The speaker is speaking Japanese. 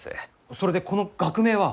それでこの学名は？